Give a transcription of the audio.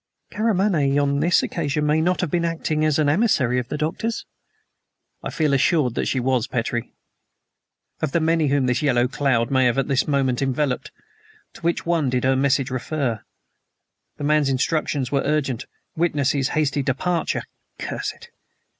"Karamaneh on this occasion may not have been acting as an emissary of the Doctor's." "I feel assured that she was, Petrie. Of the many whom this yellow cloud may at any moment envelop, to which one did her message refer? The man's instructions were urgent. Witness his hasty departure. Curse it!"